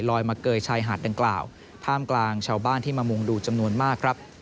มาเกยชายหาดดังกล่าวท่ามกลางชาวบ้านที่มามุงดูจำนวนมากครับ